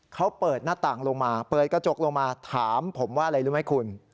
เขาเปิดหน้าต่างลงมาเปิดกระจกลงมาถามผมว่าอะไรรู้ไหมคุณ